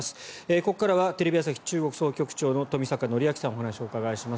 ここからはテレビ朝日中国総局長の冨坂範明さんにお話をお伺いします。